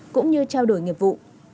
cũng như trao đổi nghiệp vụ